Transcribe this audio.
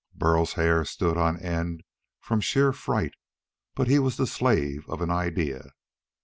Burl's hair stood on end from sheer fright, but he was the slave of an idea.